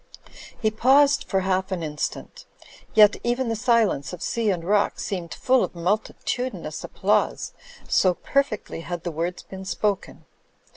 He paused for half an instant; yet even the silence of sea and rock seemed full of multitudinous applause, so perfectly had the words been spoken.